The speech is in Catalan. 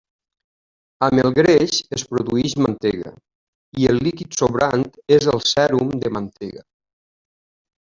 Amb el greix es produeix mantega, i el líquid sobrant és el sèrum de mantega.